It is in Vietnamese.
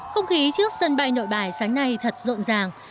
không khí trước sân bay nội bài sáng nay thật rộn ràng